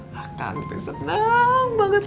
bakal seneng banget